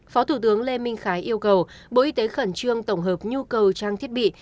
phó thủ tướng lê minh khái yêu cầu bộ y tế khẩn trương tổng hợp nhu cầu trang thiết bị